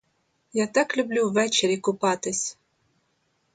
Я так люблю ввечері купатись!